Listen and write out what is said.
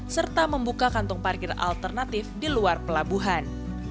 serta membuka kantong parkir alternatif di luar pelabuhan